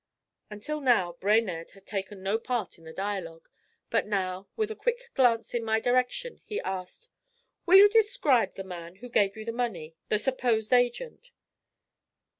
Until now Brainerd had taken no part in the dialogue; but now, with a quick glance in my direction, he asked; 'Will you describe the man who gave you the money the supposed agent?'